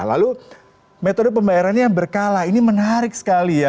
lalu metode pembayarannya yang berkala ini menarik sekali ya